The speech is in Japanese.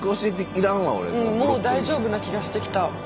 もう大丈夫な気がしてきた。